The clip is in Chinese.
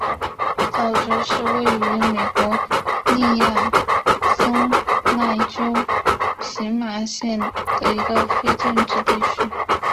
沼泽是位于美国亚利桑那州皮马县的一个非建制地区。